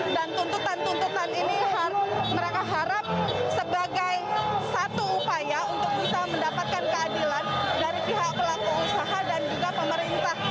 dan tuntutan tuntutan ini mereka harap sebagai satu upaya untuk bisa mendapatkan keadilan dari pihak pelaku usaha dan juga pemerintah